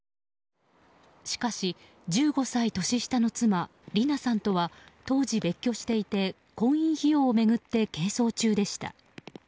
しかし、１５歳年下の妻理奈さんとは当時、別居していて婚姻費用を巡って係争中でした。